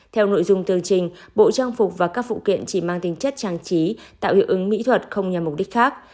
theo nội dung tương trình bộ trang phục và các phụ kiện chỉ mang tính chất trang trí tạo hiệu ứng mỹ thuật không nhằm mục đích khác